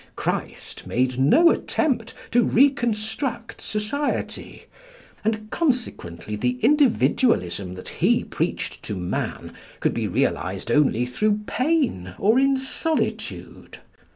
Christ made no attempt to reconstruct society, and consequently the Individualism that he preached to man could be realised only through pain or in solitude.